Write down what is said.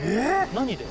何で？